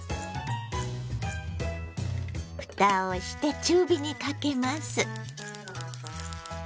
ふたをして中火にかけます。